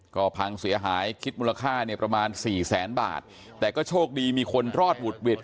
ก็พังเสียหายคิดมูลค่าเนี่ยประมาณสี่แสนบาทแต่ก็โชคดีมีคนรอดหวุดหวิด